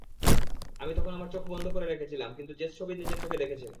আমি তখন আমার চোখ বন্ধ করে রেখেছিলাম, কিন্তু জেস সবই নিজের চোখে দেখেছে।